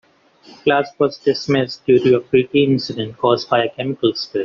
Class was dismissed due to a freak incident caused by a chemical spill.